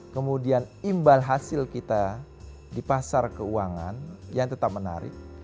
kemudian imbal hasil kita di pasar keuangan yang tetap menarik